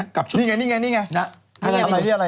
นี่ไงนี่ไงนี่ไง